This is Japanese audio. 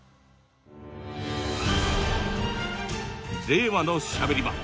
令和のしゃべり場。